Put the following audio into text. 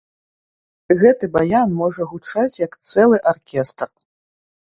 Гэты баян можа гучаць як цэлы аркестр.